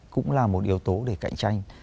cũng là một yếu tố để cạnh tranh